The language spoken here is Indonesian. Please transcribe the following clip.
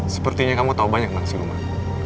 sepertinya kamu tahu banyak mengenai si rumah